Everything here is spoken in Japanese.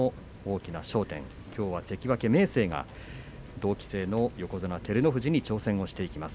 きょうは関脇明生が同期生の横綱照ノ富士に挑戦していきます。